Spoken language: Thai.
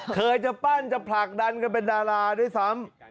เคยจะปั้นจะผลักดันกันเป็นดาราด้วยซ้ำ